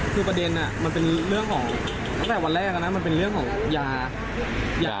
คือประเด็นน่ะมันเป็นเรื่องของจากวันแรกน่ะมันเป็นเรื่องของยา